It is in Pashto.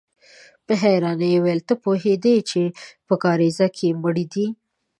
په حيرانۍ يې وويل: ته پوهېدې چې په کاريزه کې مړی دی؟